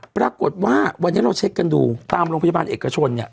ปรากฏว่าวันนี้เราเช็คกันดูตามโรงพยาบาลเอกชนเนี่ย